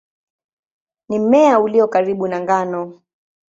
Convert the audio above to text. Ni mmea ulio karibu na ngano.